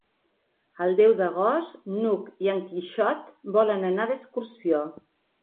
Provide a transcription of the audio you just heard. El deu d'agost n'Hug i en Quixot volen anar d'excursió.